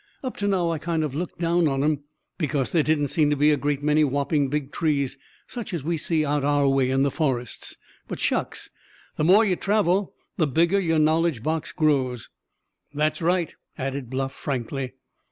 "Up to now I kind of looked down on 'em, because there didn't seem to be a great many whopping big trees, such as we see out our way in the forests. But, shucks! the more you travel the bigger your knowledge box grows." "That's right," added Bluff frankly.